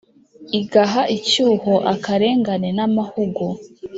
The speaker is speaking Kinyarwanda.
igaha icyuho akarengane n’amahugu.